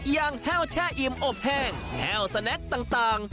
แห้วแช่อิ่มอบแห้งแห้วสแนคต่าง